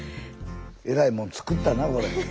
えらいもん作ったなこれ。